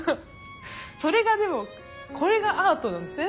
それがでもこれがアートなんですね。